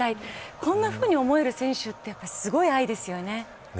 こんなふうに思える選手ってすごい愛ですよね。